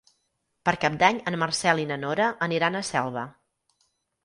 Per Cap d'Any en Marcel i na Nora aniran a Selva.